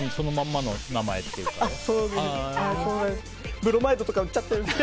ブロマイドとか売っちゃってるんです。